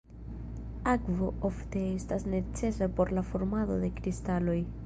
Akvo ofte estas necesa por la formado de kristaloj.